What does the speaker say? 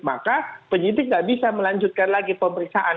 maka penyidik tidak bisa melanjutkan lagi pemeriksaan